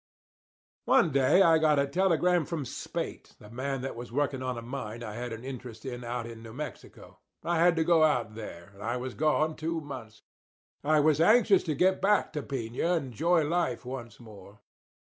One day I got a telegram from Speight, the man that was working on a mine I had an interest in out in New Mexico. I had to go out there; and I was gone two months. I was anxious to get back to Piña and enjoy life once more.